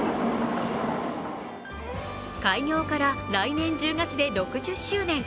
開業から来年１０月で６０周年。